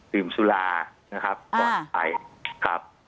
ดื่มสุรานะครับ